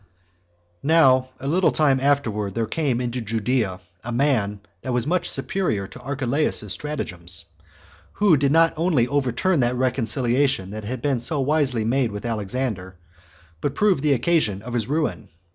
1. Now a little afterward there came into Judea a man that was much superior to Arehelaus's stratagems, who did not only overturn that reconciliation that had been so wisely made with Alexander, but proved the occasion of his ruin.